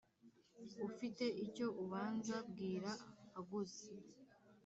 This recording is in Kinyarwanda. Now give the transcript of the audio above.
Ufite icyo abunza bwira aguze.